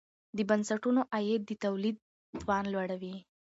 د بنسټونو عاید د تولید توان لوړوي.